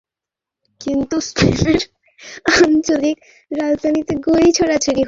কিন্তু স্পেনের আঞ্চলিক রাজনীতিতে বীতশ্রদ্ধ হয়ে বার্সার প্রতি সমর্থন তুলে নেন।